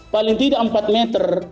paling tidak empat meter